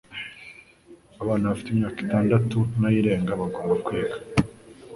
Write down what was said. Abana bafite imyaka itandatu nayirenga bagomba kwiga.